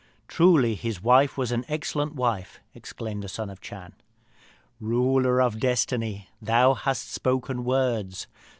"Truly, his wife was an excellent wife!" exclaimed the Son of the Chan. "Ruler of Destiny, thou hast spoken words!